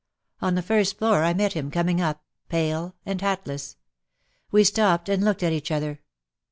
On the first floor I met him coming up, pale and hatless. We stopped and looked at each other.